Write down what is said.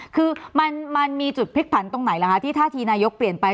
คือมันมีจุดพลิกผันตรงไหนล่ะคะที่ท่าทีนายกเปลี่ยนไป